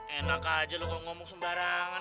enak aja lu ngomong sembarangan